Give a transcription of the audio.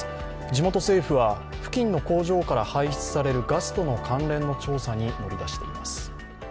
地元政府は、付近の工場から排出されるガスとの関連の調査に乗り出しています。